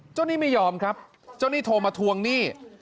หนี้ไม่ยอมครับเจ้าหนี้โทรมาทวงหนี้